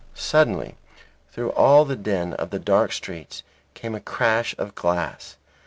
Suddenly through all the din of the dark streets came a crash of glass.